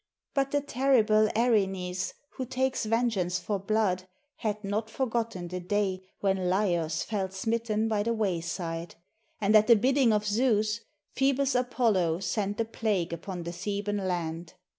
But the terrible Erinys, who takes vengeance for blood, had not forgotten the day when Laios fell smitten by the wayside; and at the bid ding of Zeus, Phoebus Apollo sent a plague upon the Theban land.